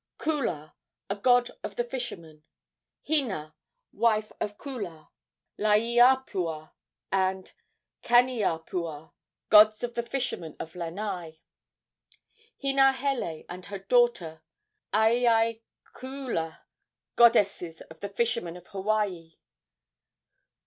Kuula, a god of the fishermen. Hina, wife of Kuula. Laeapua and Kaneapua, gods of the fishermen of Lanai. Hinahele and her daughter Aiaiakuula, goddesses of the fishermen of Hawaii.